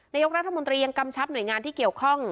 นายกรัฐมนตรียังกำชับหน่วยงานที่เกี่ยวข้อง